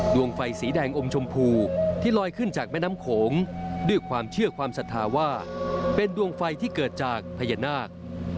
ดวงไฟสีแดงอมชมพูที่ลอยขึ้นจากแม่น้ำโขงด้วยความเชื่อความศรัทธาว่าเป็นดวงไฟที่เกิดจากพญานาค